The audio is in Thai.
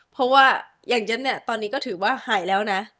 เพราะว่าอย่างเย็บเนี่ยตอนนี้ก็ถือว่าหายแล้วนะ